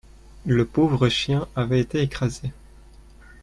Le pauvre chien avait été écrasé.